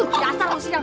uff dasar lo siang